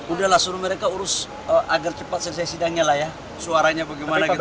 udahlah suruh mereka urus agar cepat selesai sidangnya lah ya suaranya bagaimana gitu